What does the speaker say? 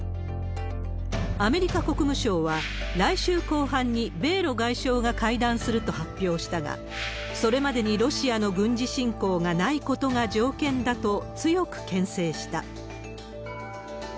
アメリカ国務省は、来週後半に米ロ外相が会談すると発表したが、それまでにロシアの軍事侵攻がないことが条件だと強くけん制した。